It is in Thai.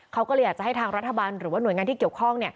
เขาก็เลยอยากจะให้ทางรัฐบาลหรือว่าหน่วยงานที่เกี่ยวข้อง